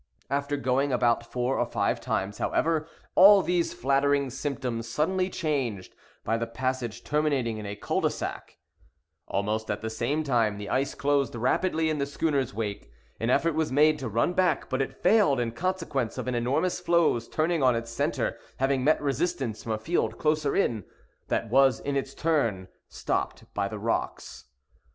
After going about four or five times, however, all these flattering symptoms suddenly changed, by the passage terminating in a cul de sac. Almost at the same instant the ice closed rapidly in the schooner's wake. An effort was made to run back, but it failed in consequence of an enormous floe's turning on its centre, having met resistance from a field closer in, that was, in its turn, stopped by the rocks.